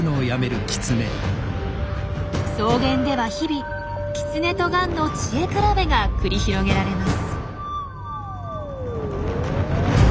草原では日々キツネとガンの知恵比べが繰り広げられます。